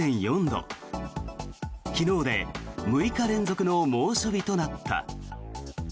昨日で６日連続の猛暑日となった。